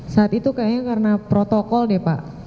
saat itu kayaknya karena protokol deh pak